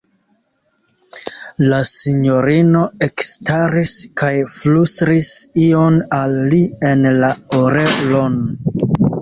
La sinjorino ekstaris kaj flustris ion al li en la orelon.